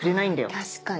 確かに。